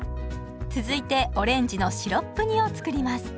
続いてオレンジのシロップ煮を作ります。